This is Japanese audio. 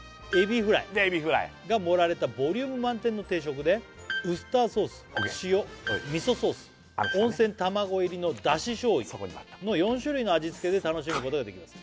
エビフライが盛られたボリューム満点の定食でウスターソース塩味噌ソース温泉卵入りのだし醤油の４種類の味付けで楽しむことができます